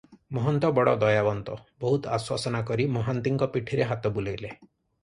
ମହନ୍ତ ବଡ଼ ଦୟାବନ୍ତ, ବହୁତ ଆଶ୍ୱାସନା କରି ମହାନ୍ତିଙ୍କ ପିଠିରେ ହାତ ବୁଲାଇଲେ ।